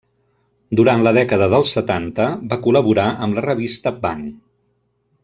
Durant la dècada dels setanta, va col·laborar amb la revista Bang!